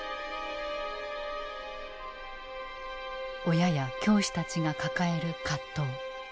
親や教師たちが抱える葛藤。